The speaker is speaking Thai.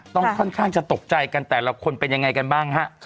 ค่อนข้างจะตกใจกันแต่ละคนเป็นยังไงกันบ้างฮะ